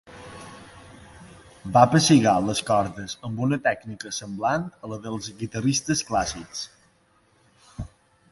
Va pessigar les cordes amb una tècnica semblant a la dels guitarristes clàssics.